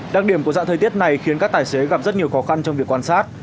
đặc điểm của dạng thời tiết này khiến các tài xế gặp rất nhiều khó khăn trong việc quan sát